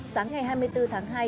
sáng ngày hai mươi bốn tháng hai